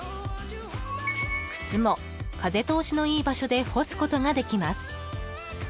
靴も、風通しのいい場所で干すことができます。